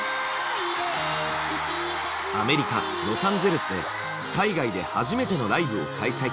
アメリカロサンゼルスで海外で初めてのライブを開催。